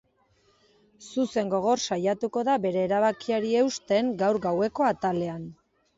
Zuzen gogor saiatuko da bere erabakiari eusten gaur gaueko atalean.